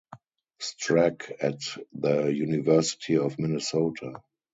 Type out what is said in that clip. Strack at the University of Minnesota.